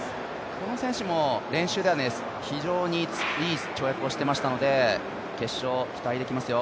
この選手でも練習では非常にいい跳躍をしていましたので、決勝、期待できますよ。